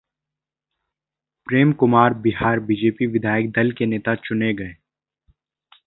प्रेम Kumar Bihar BJP विधायक दल के नेता चुने गए